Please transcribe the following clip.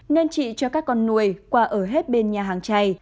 nên chị cho các con nuôi qua ở hết bên nhà hàng trài